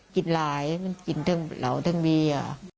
กินหลายมันกินเท่าเหล่าเท่าบี